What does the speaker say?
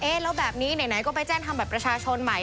แล้วแบบนี้ไหนก็ไปแจ้งทำบัตรประชาชนใหม่